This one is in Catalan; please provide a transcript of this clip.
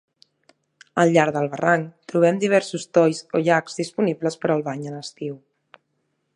Al llarg del barranc trobem diversos tolls o llacs disponibles per al bany en estiu.